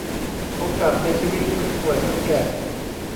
โอกาสเสียชีวิต คนป่วย คนแก่